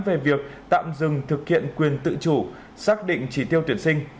về việc tạm dừng thực hiện quyền tự chủ xác định chỉ tiêu tuyển sinh